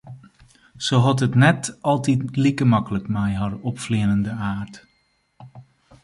Se hat it net altyd like maklik mei har opfleanende aard.